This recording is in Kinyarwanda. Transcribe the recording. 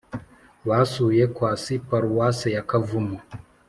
basuye quasi-paroisse ya kavumu